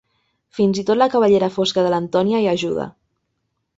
Fins i tot la cabellera fosca de l'Antonia hi ajuda.